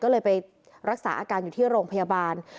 ก็เลยไปรักษาอาการอยู่ที่โรงพยาบาล